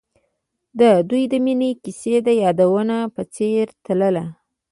د دوی د مینې کیسه د یادونه په څېر تلله.